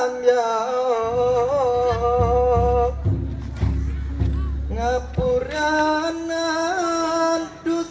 dan kita akan kembali di sebuah dunia